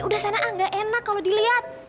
udah sana gak enak kalau dilihat